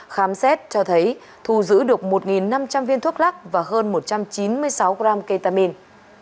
khám xét cho thấy thu giữ được một năm trăm linh viên thuốc lắc và hơn một trăm chín mươi sáu gram ketamine